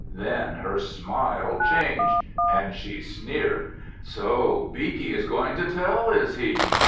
Then her smile changed, and she sneered, "So Beaky is going to tell, is he?